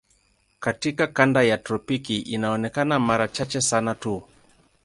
Katika kanda ya tropiki inaonekana mara chache sana tu.